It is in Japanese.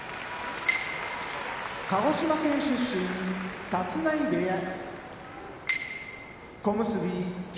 鹿児島県出身立浪部屋小結・霧